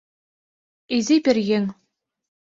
Изи пӧръеҥ...